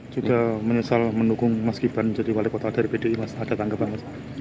sudah menyesal menukung mas giban jadi wali kota dari bdi mas ada tanggapan mas